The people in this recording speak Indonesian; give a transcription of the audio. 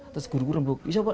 atas guru guru bisa pak